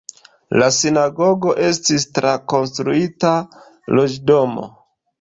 La sinagogo estis trakonstruita loĝdomo.